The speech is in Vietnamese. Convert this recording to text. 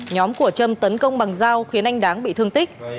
nhóm của trâm tấn công bằng dao khiến anh đáng bị thương tích